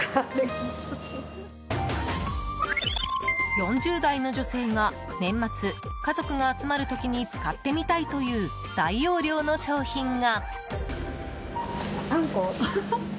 ４０代の女性が年末、家族が集まる時に使ってみたいという大容量の商品が。